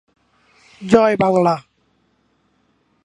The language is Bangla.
দলটি বিশ দলীয় জোটের একটি শরীক দল।